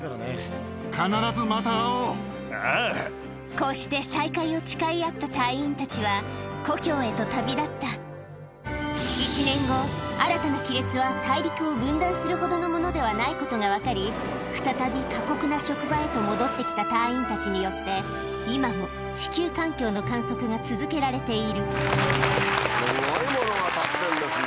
こうして再会を誓い合った隊員たちは故郷へと旅立ったことが分かり再び過酷な職場へと戻ってきた隊員たちによって今も地球環境の観測が続けられているすごいものが立ってんですね。